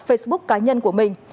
facebook cá nhân của mình